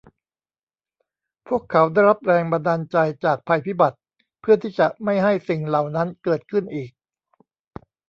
พวกเขาได้รับแรงบันดาลใจจากภัยพิบัติเพื่อที่จะไม่ให้สิ่งเหล่านั้นเกิดขึ้นอีก